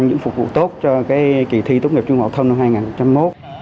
những phục vụ tốt cho kỳ thi tốt nghiệp trung học phổ thông năm hai nghìn một